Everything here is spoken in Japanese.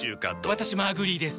私もアグリーです。